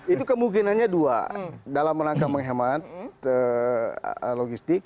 itu kemungkinannya dua dalam rangka menghemat logistik